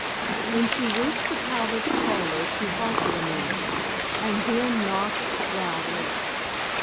When she reached the Talbot parlor she halted a moment, and then knocked loudly.